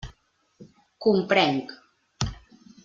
Comprenc.